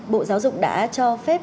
bộ giáo dục đã cho phân tích